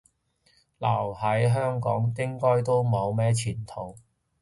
留喺香港應該都冇咩前途